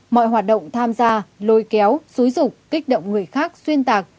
mọi hoạt động tham gia lôi kéo xúi rục kích động người khác xuyên tạc